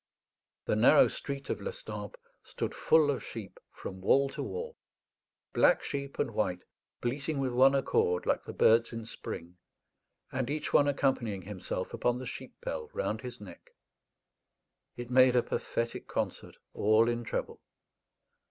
The narrow street of Lestampes stood full of sheep, from wall to wall black sheep and white, bleating with one accord like the birds in spring, and each one accompanying himself upon the sheep bell round his neck. It made a pathetic concert, all in treble.